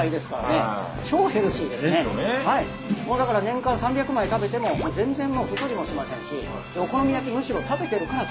だから年間３００枚食べても全然太りもしませんしお好み焼きむしろ食べてるから健康っていう。